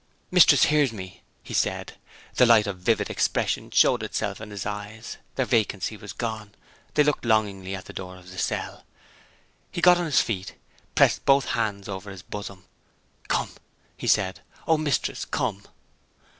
"Mistress hears me!" he said. The light of vivid expression showed itself in his eyes. Their vacancy was gone: they looked longingly at the door of the cell. He got on his feet he pressed both hands over his bosom. "Come!" he said. "Oh, Mistress, come!"